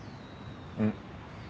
うん。